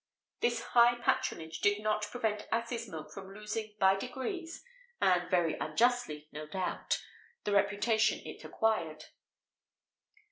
This high patronage did not prevent asses' milk from losing by degrees and very unjustly, no doubt the reputation it acquired.